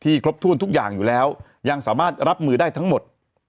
ครบถ้วนทุกอย่างอยู่แล้วยังสามารถรับมือได้ทั้งหมด